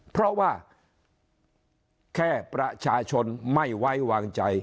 เพราะว่าแค่ประชาชนไม่ไว้วางใจ